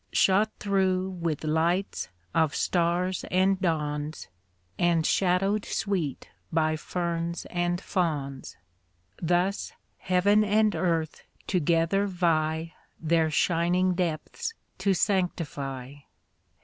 Shot through with lights of stars and dawns, And shadowed sweet by ferns and fawns, Thus heaven and earth together vie Their shining depths to sanctify.